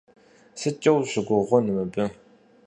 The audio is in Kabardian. СыткӀэ ущыгугъын мыбы?